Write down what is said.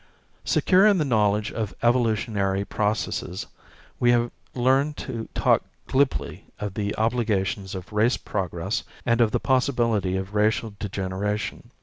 Secure in the knowledge of evolutionary processes, we have learned to talk glibly of the obligations of race progress and of the possibility of racial degeneration.